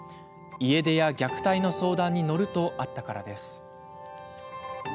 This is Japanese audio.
家出や虐待の相談に乗るとあったからです。